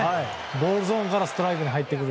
ボールゾーンからストライクに入ってくる。